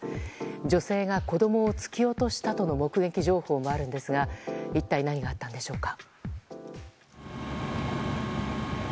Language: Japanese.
女性が子供を突き落としたとの目撃情報もあるんですが一体何があったんでしょうか。